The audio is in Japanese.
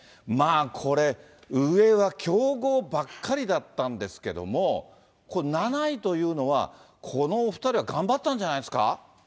まあこれ、上は強豪ばっかりだったんですけど、これ、７位というのは、このお２人は頑張ったんじゃないですか？